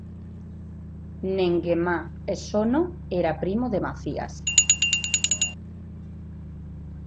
Nguema Esono era primo de Macías.